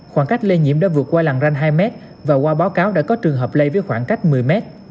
khoảng cách lây nhiễm đã vượt qua làng ranh hai m và qua báo cáo đã có trường hợp lây với khoảng cách một mươi mét